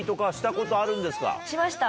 しました。